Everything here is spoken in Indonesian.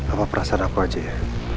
apa perasaan aku aja